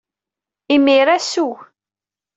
Imir-a, sew!